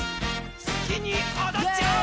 すきにおどっちゃおう！